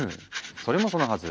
それもそのはず